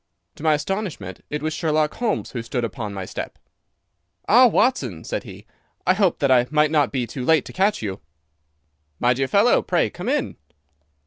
To my astonishment it was Sherlock Holmes who stood upon my step. "Ah, Watson," said he, "I hoped that I might not be too late to catch you." "My dear fellow, pray come in."